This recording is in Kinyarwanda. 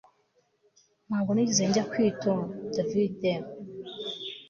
Ntabwo nigeze njya kwitoDavidba